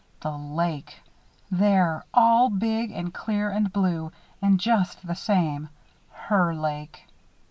The lake! There, all big and clear and blue. And just the same her lake!